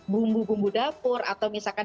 bumbu bumbu dapur atau misalkan